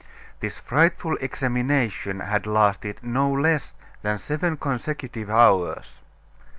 This frightful examination had lasted no less than seven consecutive hours.